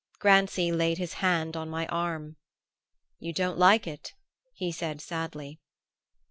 Grancy laid his hand on my arm. "You don't like it?" he said sadly.